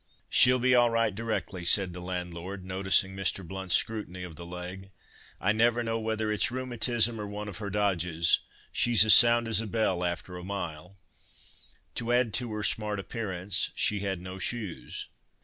"She'll be all right, directly," said the landlord, noticing Mr. Blount's scrutiny of the leg, "I never know whether it's rheumatism, or one of her dodges—she's as sound as a bell after a mile." To add to her smart appearance, she had no shoes.